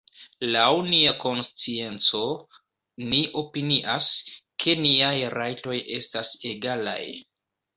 Laŭ nia konscienco, ni opinias, ke niaj rajtoj estas egalaj.